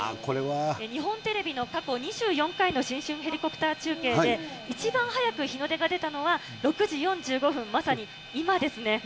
日本テレビの過去２４回の新春ヘリコプター中継で、一番早く日の出が出たのは、６時４５分、まさに今ですね。